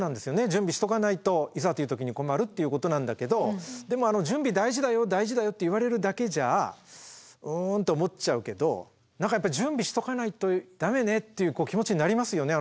準備しとかないといざという時に困るっていうことなんだけどでも「準備大事だよ大事だよ」って言われるだけじゃ「うん？」と思っちゃうけど「準備しとかないとダメね」っていう気持ちになりますよね